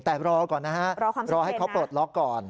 แต่รอก่อนนะฮะรอให้เขาปลดล็อกก่อน